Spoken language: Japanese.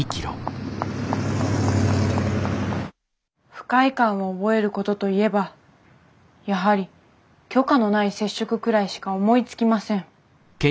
不快感を覚えることと言えばやはり許可のない接触くらいしか思いつきません。